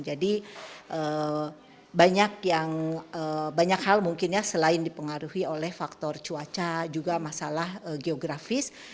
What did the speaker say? jadi banyak hal mungkinnya selain dipengaruhi oleh faktor cuaca juga masalah geografis